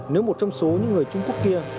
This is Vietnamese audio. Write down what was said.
nếu một trong số những người trung quốc kia